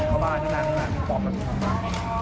โอ้โอ้โอ้